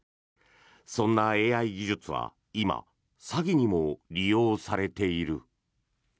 そんなＡＩ技術は今、詐欺にも利用されている。